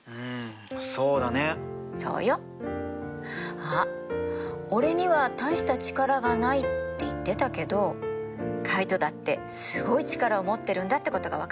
あっ「俺には大した力がない」って言ってたけどカイトだってすごい力を持ってるんだってことが分かったでしょう？